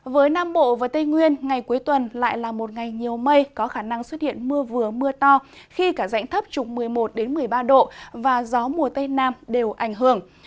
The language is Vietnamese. với nam bộ và tây nguyên ngày cuối tuần lại là một ngày nhiều mây có khả năng xuất hiện mưa vừa mưa to khi cả rãnh thấp trục một mươi một một mươi ba độ và gió mùa tây nam đều ảnh hưởng